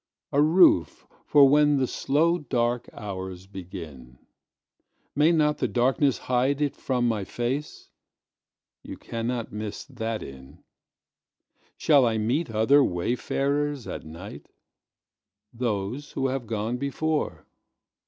A roof for when the slow dark hours begin. May not the darkness hide it from my face? You cannot miss that inn. Shall I meet other wayfarers at night? Those who have gone before.